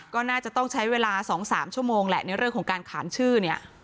ก็น่าจะต้องใช้เวลา๒๓ชั่วโมงแหละในเรื่องของการขานชื่อเนี่ย